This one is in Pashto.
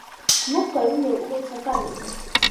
موږ پرون یو اوږد سفر وکړ.